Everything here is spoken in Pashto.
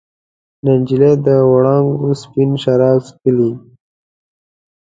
نجلۍ د وړانګو سپین شراب چښلي